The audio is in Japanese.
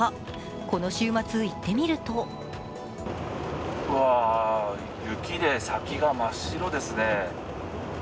この週末、行ってみるとうわー、雪で先が真っ白ですね。